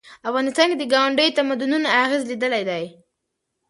افغانستان د ګاونډیو تمدنونو اغېز لیدلی دی.